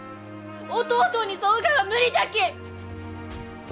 弟に添うがは無理じゃき！